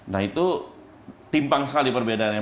nah itu timpang sekali perbedaannya